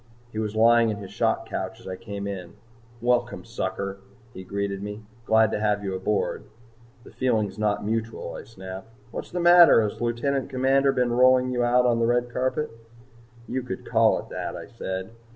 He was lying in his shock couch as I came in. "Welcome, sucker," he greeted me. "Glad to have you aboard." "The feeling's not mutual," I snapped. "What's the matter? Has the Lieutenant Commander been rolling you out on the red carpet?" "You could call it that," I said.